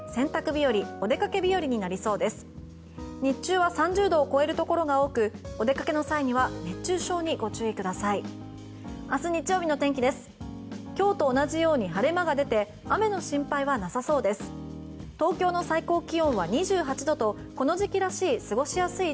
日中は３０度を超えるところが多くお出かけの際には熱中症にご注意ください。